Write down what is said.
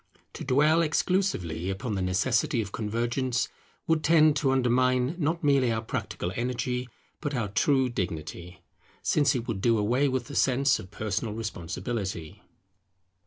To dwell exclusively upon the necessity of convergence would tend to undermine not merely our practical energy, but our true dignity; since it would do away with the sense of personal responsibility.